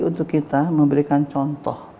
untuk kita memberikan contoh